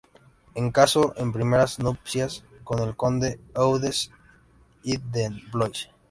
Se casó, en primeras nupcias, con el conde Eudes I de Blois.